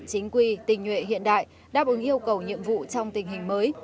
chính quy tình nhuệ hiện đại đáp ứng yêu cầu nhiệm vụ trong tình hình mới